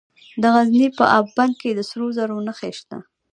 د غزني په اب بند کې د سرو زرو نښې شته.